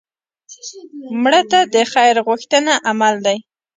مړه ته د خیر غوښتنه عمل دی